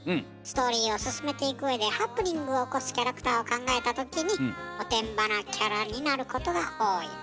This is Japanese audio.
ストーリーを進めていくうえでハプニングを起こすキャラクターを考えた時におてんばなキャラになることが多い。